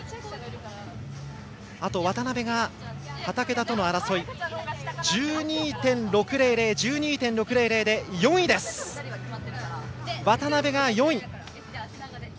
あと、渡部が畠田との争い。１２．６００で渡部、４位です。